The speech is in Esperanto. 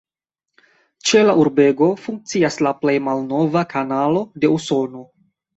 Ĉe la urbego funkcias la plej malnova kanalo en Usono.